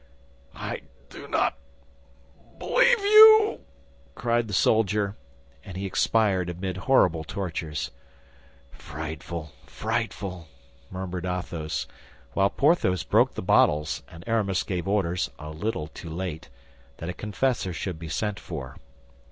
"I do not believe you," cried the soldier, and he expired amid horrible tortures. "Frightful! frightful!" murmured Athos, while Porthos broke the bottles and Aramis gave orders, a little too late, that a confessor should be sent for.